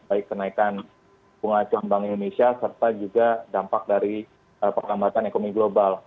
baik kenaikan bunga acuan bank indonesia serta juga dampak dari perlambatan ekonomi global